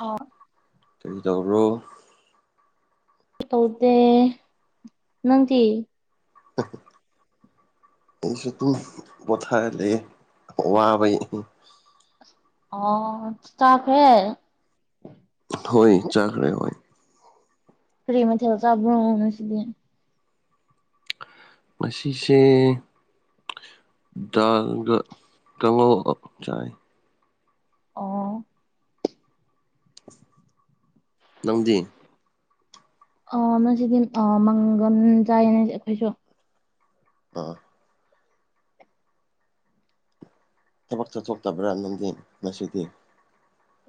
ꯑꯥ ꯀꯔꯤ ꯇꯧꯕ꯭ꯔꯣ ꯇꯧꯗꯦ ꯅꯪꯇꯤ [unintelligible] ꯑꯩꯁꯨ ꯗꯨꯝ ꯄꯣꯊꯥꯔ ꯂꯩꯌꯦ ꯋꯥꯕꯩ ꯑꯣ ꯆꯥꯈ꯭ꯔꯦ ꯍꯣꯏ ꯆꯥꯈ꯭ꯔꯦ ꯍꯣꯏ ꯀꯔꯤ ꯃꯊꯦꯜ ꯆꯥꯕ꯭ꯔꯣ ꯉꯁꯤꯗꯤ ꯉꯁꯤꯁꯦ ꯗꯥꯜꯒ ꯀꯥꯡꯍꯧ [unintelligible] ꯆꯥꯏ ꯑꯣ ꯅꯪꯗꯤ ꯑꯥ ꯉꯁꯤꯗꯤ ꯑꯥ ꯃꯪꯒꯟ ꯆꯥꯏꯌꯦ ꯉꯁꯤ ꯑꯩꯈꯣꯏꯁꯨ ꯑꯥ ꯊꯕꯛ ꯆꯠꯊꯣꯛꯇꯕ꯭ꯔꯥ ꯅꯪꯗꯤ ꯉꯁꯤꯗꯤ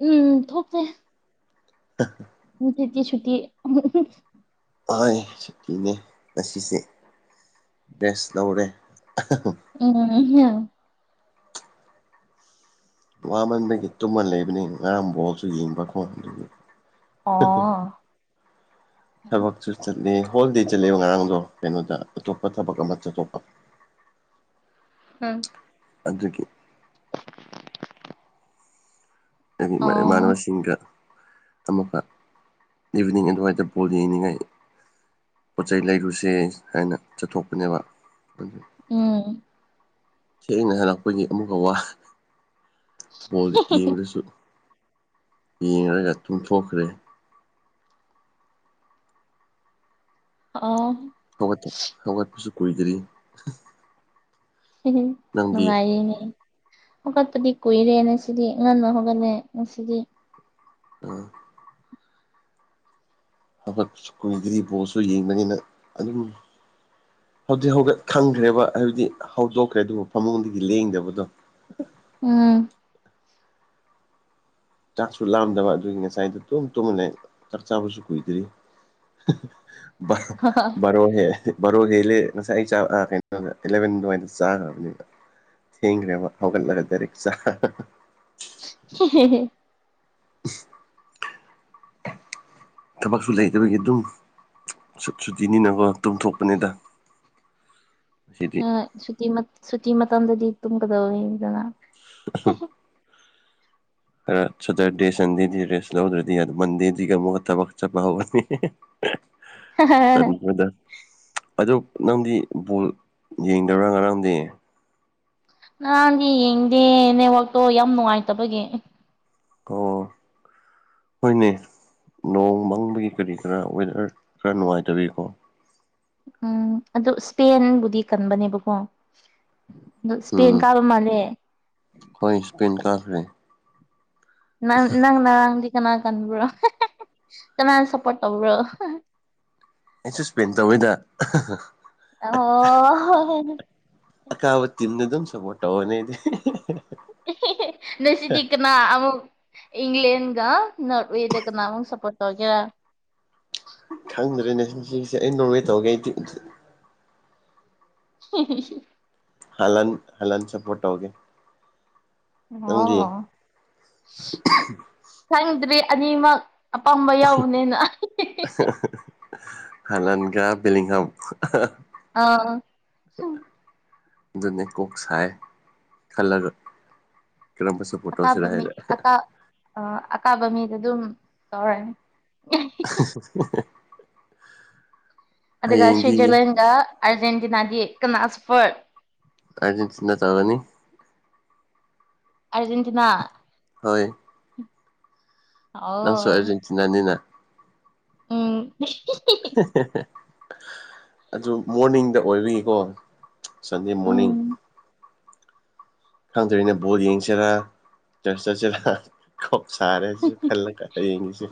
ꯎꯝ ꯊꯣꯛꯇꯦ [unintelligible] ꯉꯁꯤꯗꯤ ꯁꯨꯇꯤ ꯍꫭꯏ ꯁꯨꯇꯤꯅꯦ ꯉꯁꯤꯁꯦ ꯔꯦꯁ ꯂꯧꯔꯦ ꯎꯝ ꯋꯥꯃꯟꯕꯒꯤ ꯇꯨꯝꯃ ꯂꯩꯕꯅꯦ ꯉꯔꯥꯡ ꯕꯣꯜꯁꯨ ꯌꯦꯡꯕꯀꯣ ꯑꯣ [unintelligible] ꯊꯕꯛꯁꯨ ꯆꯠꯂꯦ ꯍꯣꯜꯗꯦ ꯆꯠꯂꯦꯕ ꯉꯔꯥꯡꯗꯣ ꯀꯩꯅꯣꯗ ꯑꯇꯣꯞꯄ ꯊꯕꯛ ꯑꯃ ꯆꯠꯊꯣꯛꯄ ꯍꯝ ꯑꯗꯨꯒꯤ ꯑꯣ ꯏꯃꯥꯟꯅꯕꯁꯤꯡꯒ ꯑꯃꯨꯛꯀ ꯏꯚꯅꯤꯡ ꯑꯗꯨꯋꯥꯏꯗ ꯕꯣꯜ ꯌꯦꯡꯅꯤꯡꯉꯥꯏ ꯄꯣꯠ ꯆꯩ ꯂꯩꯔꯨꯁꯦ ꯍꯥꯏꯅ ꯆꯠꯊꯣꯛꯄꯅꯦꯕ ꯑꯗꯨ ꯎꯝ ꯊꯦꯡꯅ ꯍꯜꯂꯛꯄꯒꯤ ꯑꯃꯨꯛꯀ ꯋꯥ ꯕꯣꯜ ꯌꯦꯡꯕꯗꯁꯨ ꯌꯦꯡꯔꯒ ꯇꯨꯝꯊꯣꯛꯈ꯭ꯔꯦ ꯑꯥꯎ ꯍꯧꯒꯠꯇꯦ ꯍꯧꯒꯠꯄꯁꯨ ꯀꯨꯏꯗ꯭ꯔꯤ ꯅꯪꯗꯤ ꯅꯨꯡꯉꯥꯏꯔꯤꯅꯦ ꯍꯧꯒꯠꯄꯗꯤ ꯀꯨꯏꯔꯦ ꯅꯁꯤꯗꯤ ꯉꯟꯅ ꯍꯧꯒꯠꯂꯦ ꯉꯥꯁꯤꯗꯤ ꯎꯝ ꯍꯧꯒꯠꯄꯁꯨ ꯀꯨꯏꯗ꯭ꯔꯤ ꯕꯣꯜꯁꯨ ꯌꯦꯡꯕꯅꯤꯅ ꯑꯗꯨꯝ ꯍꯧꯗꯤ ꯍꯧꯒꯠ ꯈꯪꯈ꯭ꯔꯦꯕ ꯍꯥꯏꯕꯗꯤ ꯍꯧꯗꯣꯛꯈ꯭ꯔꯦ ꯗꯨꯕꯨ ꯐꯃꯨꯡꯗꯤ ꯂꯦꯡꯗꯕꯗꯣ ꯎꯝ ꯆꯥꯛꯁꯨ ꯂꯥꯝꯗꯕ ꯑꯗꯨꯒꯤ ꯉꯁꯥꯏꯗ ꯗꯨꯝ ꯇꯨꯝꯃ ꯂꯩ ꯆꯥꯛ ꯆꯥꯕꯁꯨ ꯀꯨꯏꯗ꯭ꯔꯤ ꯕꯥꯔꯣ ꯕꯥꯔꯣ ꯍꯦꯜ ꯕꯥꯔꯣ ꯍꯦꯜꯂꯦ ꯉꯁꯥꯏ ꯑꯩꯥ ꯆꯥꯛ ꯑꯥ ꯀꯩꯅꯣ ꯑꯦꯂꯚꯦꯟ ꯗꯨꯋꯥꯏꯗ ꯆꯥꯈ꯭ꯔꯕꯅꯤꯅ ꯊꯦꯡꯒ꯭ꯔꯦꯕ ꯍꯧꯒꯜꯂꯔ ꯗꯥꯏꯔꯦꯛ ꯆꯥ [unintelligible] [inaudible] ꯊꯕꯛꯁꯨ ꯂꯩꯇꯕꯒꯤ ꯑꯗꯨꯝ ꯁꯨ ꯁꯨꯇꯤꯅꯤꯅꯀꯣ ꯇꯨꯝꯊꯣꯛꯄꯅꯤꯗ [inaudible] ꯍꯣꯏ ꯁꯨꯇꯤ ꯃꯠ ꯁꯨꯇꯤ ꯃꯇꯝꯗꯗꯤ ꯇꯨꯝꯒꯗꯧꯅꯤꯗꯅ [unintelligible] ꯑꯥ ꯁꯇꯔꯗꯦ ꯁꯟꯗꯦꯗꯤ ꯔꯦꯁ ꯂꯧꯗ꯭ꯔꯗꯤ ꯃꯟꯗꯦꯗꯒꯤ ꯑꯃꯨꯛꯀ ꯊꯕꯛ ꯆꯠꯄ ꯍꯧꯔꯅꯤ ꯇꯟꯕꯗ ꯑꯗꯨ ꯅꯪꯗꯤ ꯕꯣꯜ ꯌꯦꯡꯗꯕ꯭ꯔꯥ ꯉꯔꯥꯡꯗꯤ ꯉꯔꯥꯦꯡꯗꯤ ꯌꯦꯡꯗꯦ ꯅꯦꯠꯋꯥꯛꯇꯣ ꯌꯥꯝ ꯅꯨꯡꯉꯥꯏꯇꯕꯒꯤ ꯑꯣ ꯍꯣꯏꯅꯦ ꯅꯣꯡ ꯃꯪꯕꯒꯤ ꯀꯔꯤ ꯈꯔ ꯋꯦꯗꯔ ꯈꯔ ꯅꯨꯡꯉꯥꯏꯇꯕꯤꯀꯣ ꯎꯝ ꯑꯗꯨ ꯏꯁꯄꯦꯟꯕꯨꯗꯤ ꯀꯟꯕꯅꯦꯕꯀꯣ ꯑꯗꯨ ꯁ꯭ꯄꯦꯟ ꯎꯝ ꯀꯥꯕ ꯃꯥꯜꯂꯦ ꯍꯣꯏ ꯁ꯭ꯄꯦꯟ ꯀꯥꯈ꯭ꯔꯦ ꯅꯪ ꯅꯪ ꯅꯔꯥꯡꯗꯤ ꯀꯅꯥ ꯀꯟꯕ꯭ꯔꯣ ꯀꯅꯥꯅ ꯁꯞꯄꯣꯔꯠ ꯇꯧꯕ꯭ꯔꯣ ꯑꯩꯁꯨ ꯁ꯭ꯄꯦꯟ ꯇꯧꯋꯤꯗ ꯑꯣ ꯀꯥꯕ ꯇꯤꯝꯗꯨ ꯑꯗꯨꯝ ꯁꯄꯣꯔꯠ ꯇꯧꯔꯅꯤ ꯑꯩꯗꯤ ꯑꯦꯍꯦꯍꯦ ꯅꯣꯢꯁꯤꯗꯤ ꯀꯅꯥ ꯑꯃꯨꯛ ꯏꯪꯂꯦꯟꯒ ꯅꯣꯔꯠ ꯋꯦꯗ ꯀꯅꯥ ꯑꯃꯨꯛ ꯁꯄꯣꯔꯠ ꯇꯧꯒꯦꯔꯥ ꯈꯪꯗ꯭ꯔꯦꯅꯦ ꯉꯁꯤꯁꯦ ꯑꯩ ꯅꯣꯔꯋꯦ ꯇꯧꯒꯦ ꯑꯩꯗꯤ ꯍꯦꯍꯦꯍꯦ ꯍꯂꯟ ꯍꯂꯟ ꯁꯄꯣꯔꯠ ꯇꯧꯒꯦ ꯅꯪꯗꯤ ꯑꯣ ꯈꯪꯗ꯭ꯔꯤ ꯑꯅꯤꯃꯛ ꯑꯄꯥꯝꯕ ꯌꯥꯎꯕꯅꯦꯅ ꯑꯍꯦꯍꯦꯍꯦꯍꯦ ꯍꯂꯟꯒꯥ ꯕꯤꯂꯤꯡꯍꯝ ꯑꯍ ꯑꯍ ꯑꯧ ꯍꯝ ꯑꯗꯨꯅꯦ ꯀꯣꯛ ꯁꯥꯢ ꯈꯜꯂꯒ ꯀꯔꯝꯕꯁꯨ ꯑꯀꯥꯕ ꯃꯤ ꯑꯀꯥ ꯑ ꯑꯀꯥꯕ ꯃꯤꯗ ꯑꯗꯨꯝ ꯇꯧꯔꯦ [unintelligible] ꯑꯗꯨꯒ ꯁ꯭ꯋꯤꯖꯔꯂꯦꯟꯒ ꯑꯔꯖꯦꯟꯇꯤꯅꯥꯗꯤ ꯀꯅꯥ ꯁꯄꯣꯔꯠ ꯑꯔꯖꯦꯟꯇꯤꯅꯥ ꯇꯧꯔꯅꯤ ꯑꯔꯖꯦꯟꯇꯤꯅꯥ ꯍꯣꯢ ꯎꯝ ꯅꯪꯁꯨ ꯑꯔꯖꯦꯟꯇꯤꯅꯥꯅꯤꯅ ꯎꯝ ꯑꯍꯤꯍꯤ ꯑꯍꯦꯍꯦꯍꯦ ꯑꯗꯨ ꯃꯣꯔꯅꯤꯡꯗ ꯑꯣꯢꯕꯒꯤꯀꯣ ꯁꯟꯗꯦ ꯎꯝ ꯃꯣꯔꯅꯤꯡ ꯈꯪꯗ꯭ꯔꯦꯅꯦ ꯕꯣꯜ ꯌꯦꯡꯁꯤꯔꯥ ꯆꯔ꯭ꯁ ꯆꯠꯁꯤꯔ ꯀꯣꯛ ꯁꯥꯔꯦ ꯑꯩꯖꯦ ꯈꯜꯂꯒ ꯍꯌꯦꯡꯒꯤꯖꯦ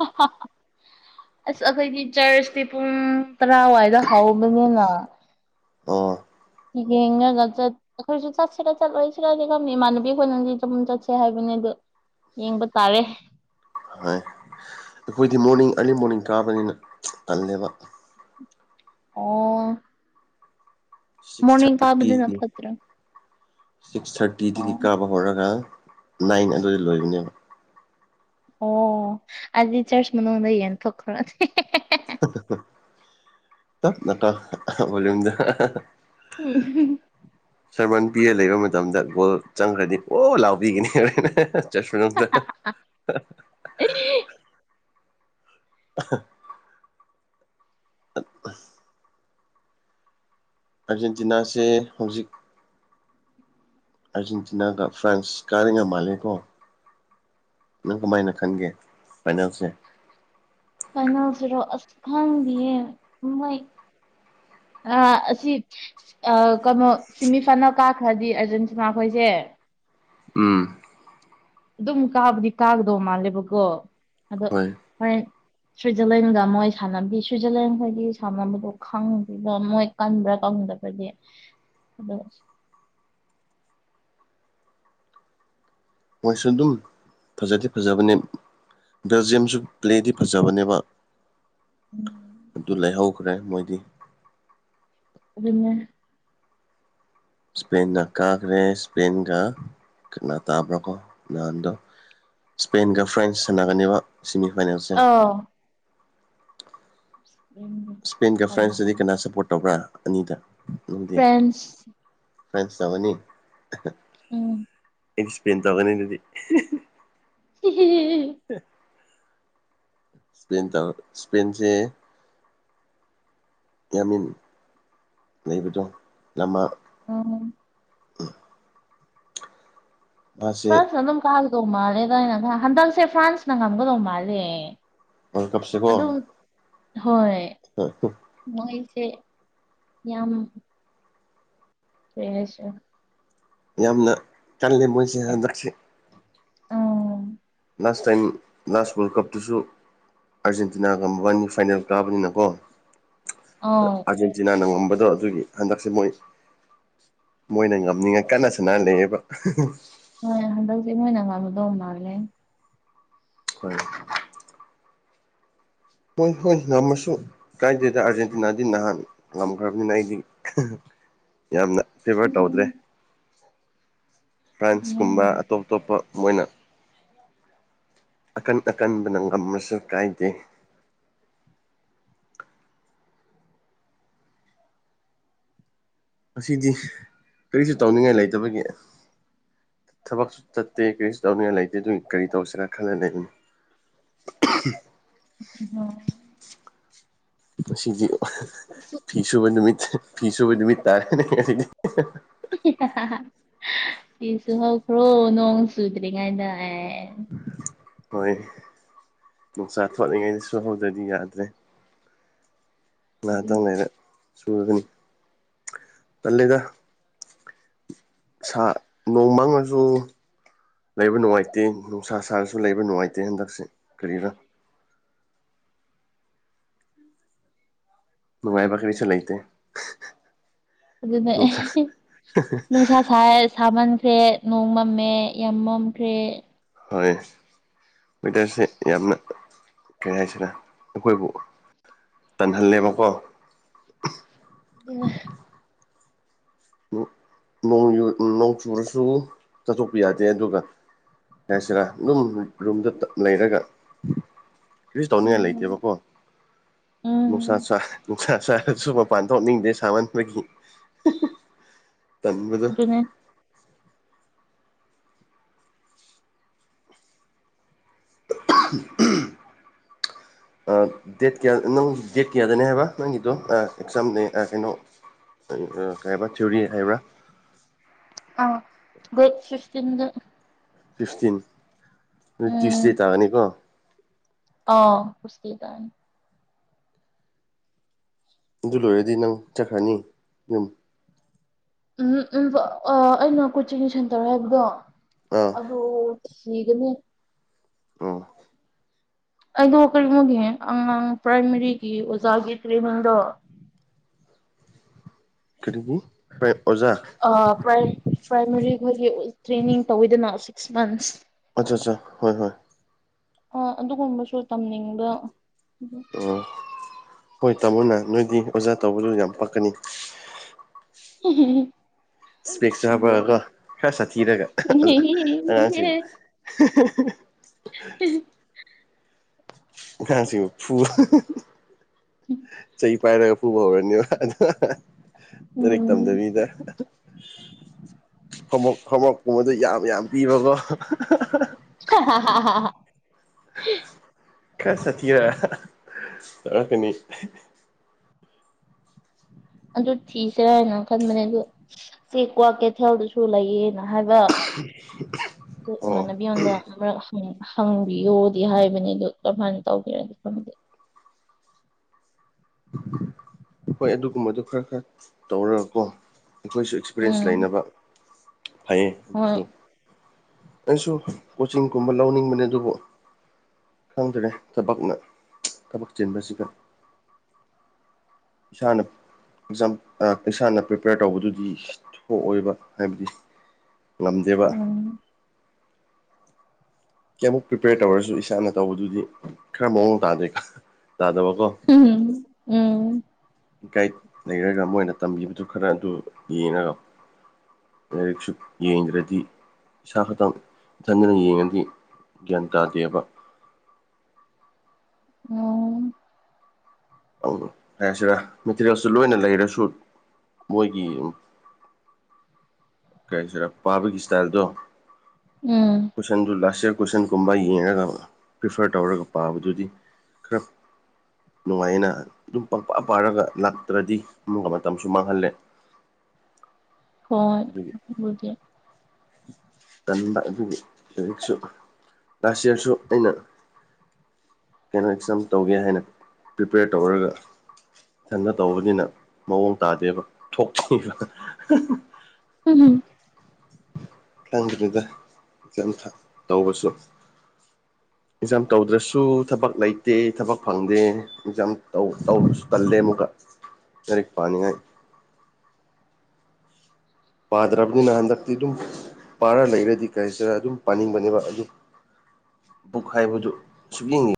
ꯑꯁ ꯑꯩꯈꯣꯢꯒꯤ ꯆꯔꯆꯇꯤ ꯄꯨꯡ ꯇꯔꯥꯋꯥꯢꯗ ꯍꯧꯕꯅꯤꯅ ꯑꯣ ꯌꯦꯡꯉꯒ ꯆꯠ ꯑꯩꯈꯣꯏꯖꯨ ꯆꯠꯁꯤꯔ ꯆꯠꯂꯣꯢꯁꯤꯔꯗꯤ ꯈꯟꯕꯅꯤ ꯏꯃꯥꯟꯅꯕꯤ ꯈꯣꯢꯅꯗꯤ ꯆꯨꯝ ꯆꯠꯁꯦ ꯍꯥꯢꯕꯅꯤ ꯑꯗꯨ ꯌꯦꯡꯕ ꯇꯥꯔꯦ ꯍꯣꯢ ꯑꯩꯈꯣꯢꯗꯤ ꯃꯣꯔꯅꯤꯡ ꯑꯔꯂꯤ ꯃꯣꯔꯅꯤꯡ ꯀꯥꯕꯅꯤꯅ ꯇꯜꯂꯦꯕ ꯑꯣ ꯁꯤꯛꯁ ꯃꯣꯔꯅꯤꯡ ꯀꯥꯕꯗꯨꯅ ꯊꯥꯔꯇꯤꯒꯤ ꯐꯠꯇ꯭ꯔꯣ ꯁꯤꯛꯁ ꯑꯣ ꯊꯥꯔꯇꯤꯗꯒꯤ ꯀꯥꯕ ꯍꯣꯔꯒ ꯅꯥꯏꯟ ꯑꯗꯨꯗ ꯂꯣꯢꯕꯅꯦꯕ ꯑꯣ ꯑꯗꯤ ꯆꯔꯆ ꯃꯅꯨꯡꯗ ꯌꯦꯟꯊꯣꯛꯈ꯭ꯔꯣꯅꯦ ꯍꯦꯍꯦꯍꯦ ꯍꯍꯍ ꯇꯞ ꯀꯣ ꯑꯍ ꯑꯣꯢꯔꯝꯗ ꯑꯍ ꯑꯍ ꯑꯍ ꯎꯝ ꯑꯍꯨꯝꯍꯨꯝ ꯁꯔꯃꯟ ꯄꯤꯌꯦ ꯂꯩꯕ ꯃꯇꯝꯗ ꯒꯣꯜ ꯆꯪꯈ꯭ꯔꯗꯤ ꯑꯣ ꯂꯥꯎꯕꯤꯒꯅꯤ ꯍꯔꯦꯟ ꯑꯍ ꯑꯍ ꯍ ꯆꯔ꯭ꯁ ꯃꯅꯨꯡꯗ ꯍ ꯍꯑ ꯑꯍ ꯑꯠ ꯎꯝ ꯑꯥꯔꯖꯦꯟꯇꯤꯅꯥꯁꯦ ꯍꯧꯖꯤꯛ ꯑꯥꯔꯖꯦꯟꯇꯤꯅꯥꯒ ꯐ꯭ꯔꯥꯟꯁ ꯀꯥꯔꯤ ꯉ ꯃꯥꯜꯂꯦꯀꯣ ꯅꯪ ꯀꯃꯢꯅ ꯈꯪꯒꯦ ꯐꯥꯢꯅꯦꯜꯁꯦ ꯐꯥꯢꯅꯦꯜꯁꯤꯔꯣ ꯑꯁ ꯈꯪꯗꯤꯌꯦ ꯃꯣꯢ ꯑꯥ ꯑꯁꯤ ꯑ ꯀꯅꯣ ꯁꯤꯃꯤꯐꯥꯢꯅꯦꯜ ꯀꯥꯈ꯭ꯔꯗꯤ ꯑꯔꯖꯦꯟꯇꯤꯅꯥ ꯍꯣꯢꯖꯦ ꯎꯝ ꯑꯗꯨꯝ ꯀꯥꯕꯨꯗꯤ ꯀꯥꯒꯗꯧ ꯃꯥꯜꯂꯦꯕꯀꯣ ꯑꯗꯣ ꯍꯣꯏ ꯍꯣꯔꯦꯟ ꯁ꯭ꯋꯤꯠꯖꯔꯂꯦꯟꯒ ꯃꯣꯏ ꯁꯥꯟꯅꯕꯤ ꯁ꯭ꯋꯤꯠꯖꯔꯂꯦꯟ ꯈꯣꯏꯒꯤ ꯁꯥꯟꯅꯕꯗꯣ ꯈꯪꯗꯦꯗꯥ ꯃꯣꯏ ꯀꯟꯕ꯭ꯔꯥ ꯀꯟꯗꯕ꯭ꯔꯗꯤ ꯑꯗꯣ ꯃꯣꯏꯁꯨ ꯑꯗꯨꯝ ꯐꯖꯗꯤ ꯐꯖꯕꯅꯦ ꯕꯦꯜꯖ꯭ꯌꯦꯝꯁꯨ ꯄ꯭ꯂꯦꯗꯤ ꯐꯖꯕꯅꯦꯕ ꯎꯝ ꯑꯗꯨ ꯂꯩꯍꯧꯈ꯭ꯔꯦ ꯃꯣꯏꯗꯤ ꯑꯗꯨꯅꯦ ꯏꯁꯄꯦꯟ ꯅ ꯀꯥꯈ꯭ꯔꯦ ꯏꯁꯄꯦꯟꯒ ꯀꯅꯥ ꯇꯥꯕ꯭ꯔꯀꯣ ꯅꯍꯥꯟꯗꯣ ꯏꯁꯄꯦꯟꯒ ꯐ꯭ꯔꯦꯟꯁ ꯁꯒꯅꯤꯕ ꯁꯤꯃꯤꯐꯥꯏꯅꯦꯜꯁꯦ ꯑꯥꯎ ꯎꯝ ꯏꯁꯄꯦꯟꯒ ꯐ꯭ꯔꯥꯟꯁꯀꯗꯤ ꯀꯅꯥ ꯁꯞꯄꯣꯔꯠ ꯇꯧꯕ꯭ꯔꯥ ꯑꯅꯤꯗ ꯅꯪꯗꯤ ꯐ꯭ꯔꯦꯟꯁ ꯐ꯭ꯔꯦꯟꯁ ꯇꯧꯒꯅꯤ ꯎꯝ ꯑꯩ ꯏꯁꯄꯂꯦꯟ ꯇꯧꯒꯅꯤ ꯑꯗꯨꯗꯤ [unintelligible] ꯍꯦ ꯏꯁꯄꯦꯟ ꯇꯧ ꯏꯁꯄꯦꯟꯁꯦ ꯌꯥꯃꯤꯟ ꯂꯩꯕꯗꯣ ꯌꯃ ꯑꯪ ꯃꯥꯁꯦ ꯐ꯭ꯔꯥꯟꯁꯨ ꯑꯗꯨꯝ ꯀꯥꯒꯗꯧ ꯃꯥꯜꯂꯦ ꯑꯗꯨꯅꯥꯀꯣ ꯍꯟꯗꯛꯁꯦ ꯐ꯭ꯔꯥꯟꯁꯅ ꯉꯝꯒꯗꯧ ꯃꯥꯜꯂꯦ ꯋꯥꯔ꯭ꯜ ꯀꯞꯁꯤꯀꯣ ꯑꯗꯨꯝ ꯍꯣꯏ ꯃꯣꯏꯁꯦ ꯌꯥꯝ ꯀꯩ ꯍꯥꯏꯁꯤꯔ ꯌꯥꯝꯅ ꯀꯜꯂꯤ ꯃꯣꯏꯁꯦ ꯍꯟꯗꯛꯁꯤ ꯑꯥ ꯂꯥꯁ ꯇꯥꯏꯝ ꯂꯥꯁ ꯋꯥꯔꯜ ꯀꯞꯇꯁꯨ ꯑꯥꯔꯖꯦꯟꯇꯤꯅꯥꯒ ꯃꯕꯥꯟꯅꯤ ꯐꯥꯏꯅꯦꯜ ꯀꯥꯕꯅꯤꯅꯀꯣ ꯑꯥꯎ ꯑꯔꯖꯦꯟ ꯇꯤꯅꯥꯅ ꯉꯝꯕꯗꯣ ꯑꯗꯨꯒꯤ ꯍꯟꯗꯛꯁꯦ ꯃꯣꯏ ꯃꯣꯏꯅ ꯉꯝꯅꯤꯡꯉꯥꯢ ꯀꯟꯅ ꯁꯥꯅ ꯂꯩꯌꯦꯕ ꯍꯣꯏ ꯍꯟꯗꯛꯇꯤ ꯃꯣꯏꯅ ꯉꯝꯒꯗꯧ ꯃꯥꯜꯂꯦ ꯍꯣꯏ ꯍꯣꯏ ꯍꯣꯏ ꯉꯝꯃꯁꯨ ꯀꯥꯏꯗꯦꯗ ꯑꯔꯖꯦꯟꯇꯤꯅꯥꯗꯤ ꯅꯍꯥꯟ ꯉꯝꯈ꯭ꯔꯕꯅꯤꯅ ꯑꯩꯗꯤ ꯌꯥꯝꯅ ꯐꯦꯚꯔ ꯎꯝ ꯇꯧꯗ꯭ꯔꯦ ꯐ꯭ꯔꯥꯟꯁꯀꯨꯝꯕ ꯑꯇꯣꯞ ꯑꯇꯣꯞꯄ ꯃꯣꯏꯅ ꯑꯀꯟ ꯑꯀꯟꯕꯅ ꯉꯝꯃꯁꯨ ꯀꯥꯏꯗꯦ ꯉꯁꯤꯗꯤ ꯀꯔꯤꯁꯨ ꯇꯧꯅꯤꯡꯉꯥꯏ ꯂꯩꯇꯕꯒꯤ ꯊꯕꯛꯁꯨ ꯆꯠꯇꯦ ꯀꯔꯤꯁꯨ ꯇꯧꯅꯤꯡꯉꯥꯏ ꯂꯩꯇꯦ ꯑꯗꯨꯒꯤ ꯀꯔꯤ ꯇꯧꯁꯤꯔꯥ ꯈꯜꯂ ꯂꯩꯔꯤꯝꯅꯦ ꯑꯣ ꯉꯁꯤꯗꯤ ꯐꯤ ꯁꯨꯕ ꯅꯨꯃꯤꯠ ꯐꯤ ꯁꯨꯕ ꯅꯨꯃꯤꯠ ꯇꯥꯔꯦꯅꯦ ꯉꯁꯤꯗꯤ [unintelligible] ꯐꯤ ꯁꯨꯍꯧꯈ꯭ꯔꯣ ꯅꯣꯡ ꯆꯨꯗ꯭ꯔꯤꯉꯩꯗ ꯑꯦ ꯍꯣꯏ ꯅꯨꯡꯁꯥ ꯊꯣꯛꯂꯤꯉꯩꯗ ꯁꯨꯍꯧꯗ꯭ꯔꯗꯤ ꯌꯥꯗ꯭ꯔꯦ ꯉꯍꯥꯇꯪ ꯂꯩꯔ ꯁꯨꯔꯒꯅꯤ ꯇꯜꯂꯦꯗ ꯁꯥ ꯅꯣꯡ ꯃꯪꯉꯖꯨ ꯂꯩꯕ ꯅꯨꯡꯉꯥꯏꯇꯦ ꯅꯨꯡꯁꯥ ꯁꯥꯔꯁꯨ ꯂꯩꯕ ꯅꯨꯡꯉꯥꯏꯇꯦ ꯍꯟꯗꯛꯁꯦ ꯀꯔꯤꯔꯥ ꯅꯨꯡꯉꯥꯏꯕ ꯀꯔꯤꯁꯨ ꯂꯩꯇꯦ ꯑꯗꯨꯅꯦ ꯑꯍꯥ ꯅꯨꯡꯁꯥ ꯍ ꯅꯨꯡꯁꯥ ꯁꯥꯔꯦ ꯁꯥꯃꯟꯈ꯭ꯔꯦ ꯅꯣꯡ ꯃꯝꯃꯦ ꯌꯥꯝ ꯃꯝꯈ꯭ꯔꯦ ꯍꯣꯏ ꯋꯦꯗꯔꯁꯦ ꯌꯥꯝꯅ ꯀꯩ ꯍꯥꯏꯁꯦꯔ ꯑꯩꯈꯣꯏꯕꯨ ꯇꯟꯍꯜꯂꯦꯕꯀꯣ ꯑꯥ ꯅꯣ ꯅꯣꯡ ꯌꯨ ꯅꯣꯡ ꯆꯨꯔꯁꯨ ꯆꯠꯊꯣꯛꯄ ꯌꯥꯗꯦ ꯑꯗꯨꯒ ꯍꯥꯏꯁꯦꯔꯥ ꯑꯗꯨꯝ ꯔꯨꯝꯗꯇ ꯂꯩꯔꯒ ꯀꯔꯤꯁꯨ ꯊꯧꯅꯤꯡꯉꯥꯏ ꯎꯝ ꯂꯩꯇꯦꯕꯀꯣ ꯅꯨꯡꯁꯥ ꯎꯝ ꯆꯥ ꯅꯨꯡꯁꯥ ꯁꯥꯔꯁꯨ ꯃꯄꯥꯟ ꯊꯣꯛꯅꯤꯡꯗꯦ ꯁꯥꯃꯟꯕꯒꯤ ꯍꯥ ꯍꯥ ꯇꯟꯕꯗꯨ ꯑꯗꯨꯅꯦ ꯎꯨꯍ ꯑꯥ ꯑꯥ ꯗꯦꯠ ꯀꯌꯥ ꯅꯪ ꯗꯦꯠ ꯀꯌꯥꯗꯅꯦ ꯍꯥꯏꯕ ꯅꯪꯒꯤꯗꯣ ꯑꯥ ꯑꯦꯛꯖꯥꯝꯅꯦ ꯑꯥ ꯀꯩꯅꯣ ꯅꯪ ꯑꯥ ꯀꯩ ꯍꯥꯏꯕ ꯆꯨꯔꯤ ꯍꯥꯏꯕ꯭ꯔꯥ ꯑꯥ ꯗꯦꯠ ꯐꯤꯐꯇꯤꯟꯗ ꯐꯤꯐꯇꯤꯟ ꯑꯗꯨ ꯇꯨꯏꯁꯗꯦ ꯇꯥꯒꯅꯤꯀꯣ ꯑꯣ ꯇꯨꯏꯁꯇꯦ ꯇꯥꯒꯅꯤ ꯑꯗꯨ ꯂꯣꯏꯔꯗꯤ ꯅꯪ ꯆꯠꯈ꯭ꯔꯅꯤ ꯌꯨꯝ ꯎꯨꯝ ꯏꯕꯥ ꯑꯥ ꯑꯩꯅ ꯀꯣꯆꯤꯡ ꯁꯦꯟꯇꯔ ꯍꯥꯏꯕꯗꯣ ꯑꯥ ꯑꯗꯣ ꯊꯤꯒꯅꯤ ꯑꯣ ꯑꯩꯗꯣ ꯀꯔꯤꯅꯣꯒꯤꯅꯦ ꯑꯉꯥꯡ ꯄ꯭ꯔꯥꯏꯃꯥꯔꯤꯒꯤ ꯑꯣꯖꯥꯒꯤ ꯇ꯭ꯔꯦꯅꯤꯡꯗꯣ ꯀꯔꯤꯒꯤ ꯄꯔꯦ ꯑꯣꯖꯥ ꯑꯥ ꯄ꯭ꯔꯥꯏ ꯄ꯭ꯔꯥꯏꯃꯥꯔꯤ ꯈꯣꯏꯒꯤ ꯇ꯭ꯔꯦꯅꯤꯡ ꯇꯧꯋꯤꯗꯅ ꯁꯤꯛꯁ ꯃꯟꯁ ꯑꯠꯆꯥ ꯆꯥ ꯍꯣꯏ ꯍꯣꯏ ꯑꯥ ꯑꯗꯨꯒꯨꯝꯕꯁꯨ ꯇꯝꯅꯤꯡꯕ ꯎꯍꯨ ꯑꯣ ꯍꯣꯏ ꯇꯝꯃꯣꯅ ꯅꯣꯏꯗꯤ ꯑꯣꯖꯥ ꯇꯧꯕꯗꯨ ꯌꯥꯝ ꯄꯛꯀꯅꯤ ꯍꯥ ꯍꯥ ꯏꯁꯄꯦꯛꯁ ꯍꯥꯞꯄꯒꯀꯣ ꯈꯔ ꯁꯥꯊꯤꯔꯒ ꯑꯍꯥ ꯑꯉꯥꯡꯁꯤꯡꯕꯨ ꯍꯥ ꯍꯥ ꯍꯤꯍꯤ ꯑꯉꯥꯡꯁꯤꯕꯨ ꯐꯨꯕ ꯍꯥ ꯍꯥ ꯆꯩ ꯄꯥꯏꯔꯒ ꯐꯨꯕ ꯍꯧꯔꯅꯤꯕ [unintelligible] ꯂꯥꯏꯔꯤꯛ ꯎꯝ ꯇꯝꯗꯕꯤꯗ ꯍꯣꯃꯣꯛ ꯍꯣꯋ꯭ꯔꯥꯛꯀꯨꯝꯕꯗꯣ ꯌꯥꯝ ꯌꯥꯝ ꯄꯤꯕꯀꯣ ꯍꯥ ꯍ ꯍ ꯍꯥ ꯍꯥ ꯍꯥ ꯍ ꯍ ꯍ ꯈꯔ ꯁꯥꯊꯤꯔ ꯑꯍꯥ ꯇꯧꯔꯛꯀꯅꯤ ꯑꯗꯨ ꯊꯤꯁꯦꯔꯥ ꯍꯥꯏꯅ ꯈꯟꯕꯅꯦ ꯑꯗꯨ ꯁꯤ ꯀ꯭ꯋꯥꯀꯩꯊꯦꯜꯗꯁꯨ ꯂꯩꯌꯦꯅ ꯍꯥꯏꯕ [unintelligible] ꯗꯣ ꯑꯣ ꯏꯃꯥꯟꯅꯕꯤ ꯑꯝꯗ ꯑꯃꯔꯛ ꯍꯪ ꯍꯪꯕꯤꯌꯣꯗꯤ ꯍꯥꯏꯕꯅꯦ ꯑꯗꯨ ꯀꯝꯍꯥꯏꯟ ꯇꯧꯒꯦꯔꯗꯤ ꯈꯪꯗꯦ ꯍꯣꯏ ꯑꯗꯨꯒꯨꯝꯕꯗꯨ ꯈꯔ ꯈꯔ ꯇꯧꯔꯒꯀꯣ ꯑꯩꯈꯣꯏꯁꯨ ꯑꯦꯛꯁꯄꯤꯔꯤꯌꯦꯟꯁ ꯎꯝ ꯂꯩꯅꯕ ꯐꯩꯌꯦ ꯍꯣꯏ ꯑꯗꯨꯁꯨ ꯑꯩꯁꯨ ꯀꯣꯆꯤꯡꯒꯨꯝꯕ ꯂꯧꯅꯤꯡꯕꯅꯦ ꯑꯗꯨꯕꯨ ꯈꯪꯗꯔꯦ ꯊꯕꯛꯅ ꯊꯕꯛ ꯆꯤꯟꯕꯁꯤꯗ ꯏꯁꯥꯅꯞ ꯏꯛꯖꯥꯝ ꯑꯥ ꯏꯁꯥꯅ ꯄ꯭ꯔꯤꯄꯤꯌ꯭ꯔ ꯇꯧꯕꯗꯨꯗꯤ ꯊꯣꯛꯑꯣꯏꯕ ꯍꯥꯏꯕꯗꯤ ꯉꯝꯗꯦꯕ ꯎꯝ ꯀ‌ꯦꯝ ꯄ꯭ꯔꯤꯄꯤꯌ꯭ꯔ ꯇꯧꯔꯁꯨ ꯏꯁꯥꯅ ꯇꯧꯕꯗꯨꯗꯤ ꯈꯔ ꯃꯑꯣꯡ ꯇꯥꯗꯦ ꯇꯥꯗꯕꯀꯣ ꯎꯝ ꯎꯝ ꯒꯥꯏꯠ ꯂꯩꯔꯒ ꯃꯣꯏꯅ ꯇꯝꯕꯤꯕꯗꯨ ꯈꯔ ꯑꯗꯨ ꯌꯦꯡꯉꯒ ꯂꯥꯏꯔꯤꯛꯁꯨ ꯌꯦꯡꯗ꯭ꯔꯗꯤ ꯏꯁꯥ ꯈꯛꯇꯪ ꯏꯊꯟꯗꯅ ꯌꯦꯡꯉꯗꯤ ꯒ꯭ꯌꯥꯟ ꯇꯥꯗꯦꯕ ꯑꯣꯝ ꯑꯪ ꯀꯩ ꯍꯥꯏꯁꯤꯔꯥ ꯃꯦꯇꯤꯔꯦꯜꯁꯨ ꯂꯣꯏꯅ ꯂꯩꯔꯁꯨ ꯃꯣꯏꯒꯤ ꯀꯩ ꯍꯥꯁꯤꯔ ꯄꯥꯕꯒꯤ ꯏꯁꯇꯥꯏꯜꯗꯣ ꯎꯝ ꯀꯣꯏꯁꯟꯗꯨ ꯂꯥꯁ ꯏꯌ꯭ꯔ ꯀꯣꯏꯁꯟꯒꯨꯝꯕ ꯌꯦꯡꯉꯒ ꯄ꯭ꯔꯤꯐ꯭ꯔ ꯇꯧꯔꯒ ꯄꯥꯕꯗꯨꯗꯤ ꯈꯔ ꯅꯨꯡꯉꯥꯏꯌꯦꯅ ꯑꯗꯨꯝ ꯄꯪꯄꯥ ꯄꯥꯔꯒ ꯂꯥꯛꯇ꯭ꯔꯗꯤ ꯑꯃꯨꯛꯀ ꯃꯇꯝꯁꯨ ꯃꯥꯡꯍꯜꯂꯦ ꯍꯣꯏ ꯑꯗꯨꯒꯤ ꯑꯗꯨꯕꯨꯗꯤ ꯇꯟꯕ ꯑꯗꯨꯒꯤ ꯁꯖꯤꯛꯁꯨ ꯂꯥꯁ ꯏꯌ꯭ꯔꯁꯨ ꯑꯩꯅ ꯀꯩꯅꯣ ꯑꯦꯛꯖꯥꯝ ꯇꯧꯒꯦ ꯍꯥꯏꯅ ꯄ꯭ꯔꯤꯄꯌ꯭ꯔ ꯇꯧꯔꯒ ꯏꯊꯟꯗ ꯇꯧꯕꯅꯤꯅ ꯃꯑꯣꯡ ꯇꯥꯗꯦꯕ ꯊꯣꯛꯇꯦꯕ ꯍꯨꯝ ꯍꯨꯝ ꯈꯪꯗ꯭ꯔꯤꯗ ꯏꯊꯟꯇ ꯇꯧꯕꯁꯨ ꯑꯦꯛꯖꯥꯝ ꯇꯧꯗ꯭ꯔꯁꯨ ꯊꯕꯛ ꯂꯩꯇꯦ ꯊꯕꯛ ꯐꯪꯗꯦ ꯑꯦꯛꯖꯥꯝ ꯇꯧ ꯇꯧꯕꯁꯨ ꯇꯜꯂꯦ ꯑꯃꯨꯛꯀ ꯂꯥꯏꯔꯤꯛ ꯄꯥꯅꯤꯡꯉꯥꯏ ꯄꯥꯗ꯭ꯔꯕꯅꯤꯅ ꯍꯟꯗꯛꯇꯤ ꯗꯨꯝ ꯄꯥꯔ ꯂꯩꯔꯗꯤ ꯀꯔꯤꯁꯨꯔꯥ ꯑꯗꯨꯝ ꯄꯥꯅꯤꯡꯕꯅꯦꯕ ꯑꯗꯨ ꯕꯨꯛ ꯍꯥꯏꯕꯗꯨ ꯁꯨꯛꯌꯦꯡ ꯌꯦꯡ